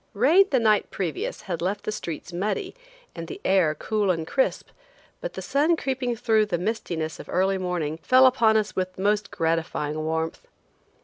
Rain the night previous had left the streets muddy and the air cool and crisp, but the sun creeping through the mistiness of early morning, fell upon us with most gratifying warmth.